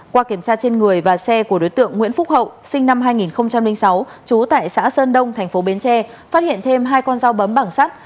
qua kiểm tra trên người và xe của đối tượng nguyễn phúc hậu sinh năm hai nghìn sáu trú tại xã sơn đông thành phố bến tre phát hiện thêm hai con dao bấm bảng sắt